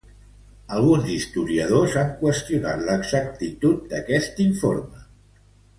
Alguns historiadors han qüestionat l'exactitud d'este informe.